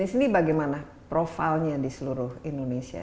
di sini bagaimana profilnya di seluruh indonesia